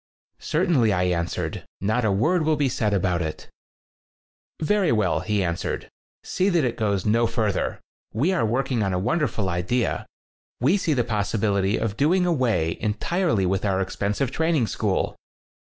"Certainly," I answered. "Not a word will be said about it." "Very well," he answered. "See that it goes no further. We are work ing on a wonderful idea. We see the possibility of doing away entirely with our expensive training school!"